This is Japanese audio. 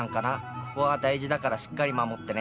ここは大事だからしっかり守ってね。